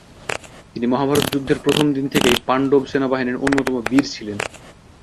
তিনি মহাভারত যুদ্ধের প্রথম দিন থেকেই পাণ্ডব সেনাবাহিনীর অন্যতম বীর ছিলেন।